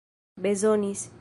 bezonis